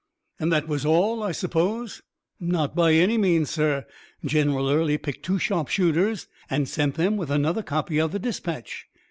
"And that was all, I suppose?" "Not by any means, sir. General Early picked two sharpshooters and sent them with another copy of the dispatch.